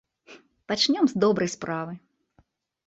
Пачнём з добрай справы.